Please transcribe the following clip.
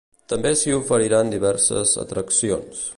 També s’hi oferiran diverses atraccions.